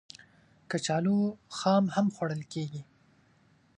کچالو خام هم خوړل کېږي